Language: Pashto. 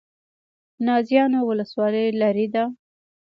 نازیانو ولسوالۍ لیرې ده؟